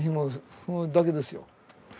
それだけですよ。